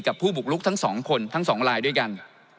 ผู้บุกลุกทั้ง๒คนทั้ง๒ลายด้วยกัน